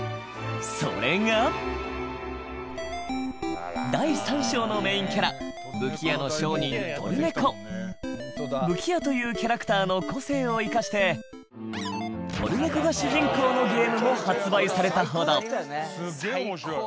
それが第３章のメインキャラ武器屋の商人、トルネコ武器屋というキャラクターの個性を生かしてトルネコが主人公のゲームも発売されたほど伊集院：すげえ面白い！